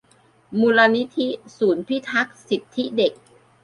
มูลนิธิศูนย์พิทักษ์สิทธิเด็ก